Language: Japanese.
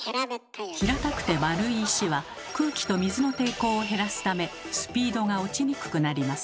平たくて丸い石は空気と水の抵抗を減らすためスピードが落ちにくくなります。